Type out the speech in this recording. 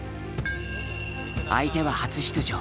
相手は初出場